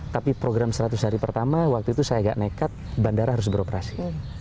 tapi program seratus hari pertama waktu itu saya agak nekat bandara harus beroperasi